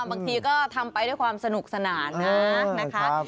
บางทีก็ทำไปด้วยความสนุกสนานนะนะคะ